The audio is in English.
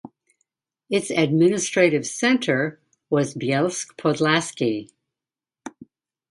Its administrative centre was Bielsk Podlaski.